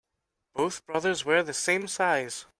Both brothers wear the same size.